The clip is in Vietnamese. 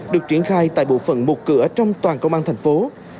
được triển khai tại bộ phận một cửa trong toàn công an thành phố